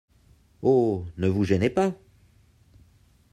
Oh! ne vous gênez pas !